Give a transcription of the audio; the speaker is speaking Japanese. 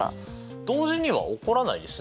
同時には起こらないですね。